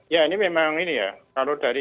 ya ini memang ini ya kalau dari